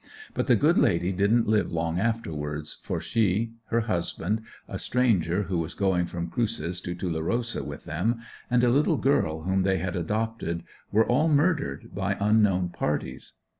But the good lady didn't live long afterwards, for she, her husband, a stranger, who was going from "Cruces" to Tulerosa with them, and a little girl whom they had adopted were all murdered by unknown parties.